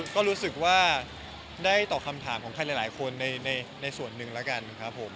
ก็รู้สึกว่าได้ตอบคำถามของใครหลายคนในส่วนหนึ่งแล้วกันครับผม